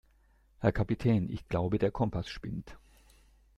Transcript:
Herr Kapitän, ich glaube, der Kompass spinnt.